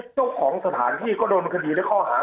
ช่วงของสถานที่ก็โดนคดีตั้งข้อหา